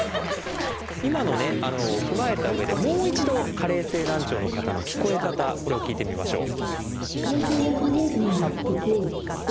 今のを踏まえたうえでもう一度加齢性難聴の方の聞こえ方これを聞いてみましょう。